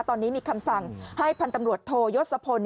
ตอนนี้มีคำสั่งให้พันธ์ตำรวจโทยศพล